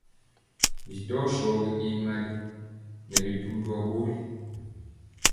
Bi tɔɔ shɔgi y mali, nɛ bidu ndɔɔ bori.